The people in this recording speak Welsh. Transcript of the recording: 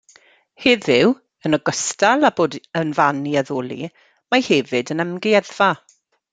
Heddiw, yn ogystal â bod yn fan i addoli, mae hefyd yn amgueddfa.